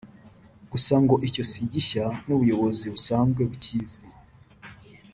gusa ngo cyo si gishya n’ubuyobozi busanzwe bukizi